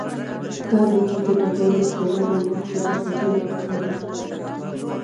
دا لوګی د ډبرو سکرو او نفتو د سوځولو په پایله کې دی.